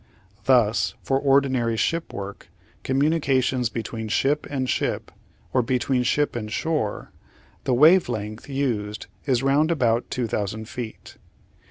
Thus for ordinary ship work, communications between ship and ship or between ship and shore, the wave length used is round about 2,000 feet.